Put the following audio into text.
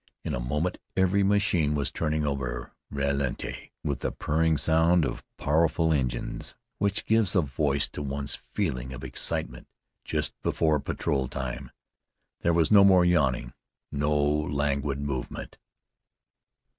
In a moment every machine was turning over ralenti, with the purring sound of powerful engines which gives a voice to one's feeling of excitement just before patrol time. There was no more yawning, no languid movement.